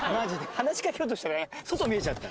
話しかけようとしたら外見えちゃった。